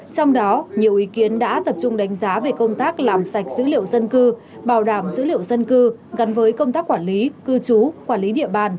trong đó nhiều ý kiến đã tập trung đánh giá về công tác làm sạch dữ liệu dân cư bảo đảm dữ liệu dân cư gắn với công tác quản lý cư trú quản lý địa bàn